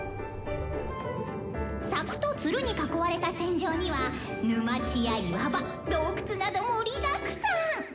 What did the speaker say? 「柵とツルに囲われた戦場には沼地や岩場洞窟など盛りだくさん！」。